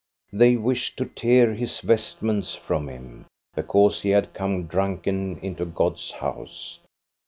They wished to tear his vestments from him, be cause he had come drunken into God's house.